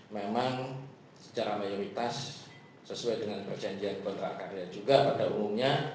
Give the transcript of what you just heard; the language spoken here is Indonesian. memang secara mayoritas sesuai dengan perjanjian kontrak karya juga pada umumnya